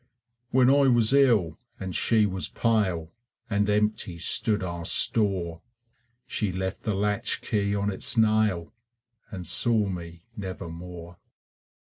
When I was ill and she was pale And empty stood our store, She left the latchkey on its nail, And saw me nevermore.